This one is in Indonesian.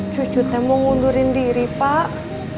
cucu teh mau ngundurin diri pak